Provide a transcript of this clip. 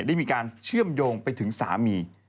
ได้มีการเชื่อมโยงไปถึงสามี